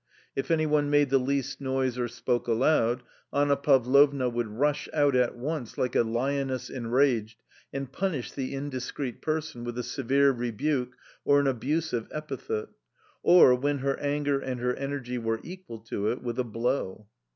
If any one made the least noise or spoke aloud, Anna Pavlovna would rush out at once like a lioness enraged and punish the indiscreet person with a severe rebuke or an abusive epithet, or, when her anger and her energy were equal to it, with a blow.